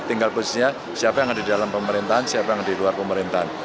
tinggal posisinya siapa yang ada di dalam pemerintahan siapa yang di luar pemerintahan